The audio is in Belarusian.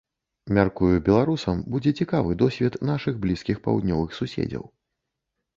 Мяркую беларусам будзе цікавы досвед нашых блізкіх паўднёвых суседзяў.